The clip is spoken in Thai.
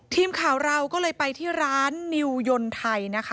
ทีมข่าวเราก็เลยไปที่ร้านนิวยนไทยนะคะ